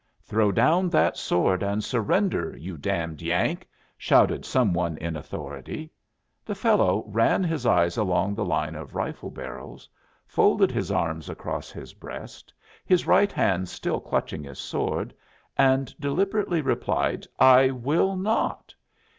'Throw down that sword and surrender, you damned Yank!' shouted some one in authority. The fellow ran his eyes along the line of rifle barrels, folded his arms across his breast, his right hand still clutching his sword, and deliberately replied, 'I will not.'